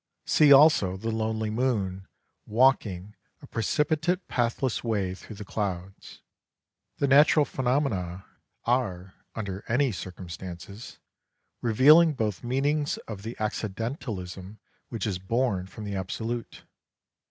See also the lonely moon walking a precipitate pathless way through the clouds. The natural phenomena are, under any circum stances, revealing both meanings of the accidentalism which is born from the absolute.